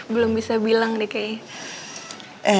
belum bisa bilang nih kayaknya